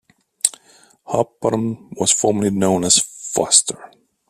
Hop Bottom was formerly known as Foster.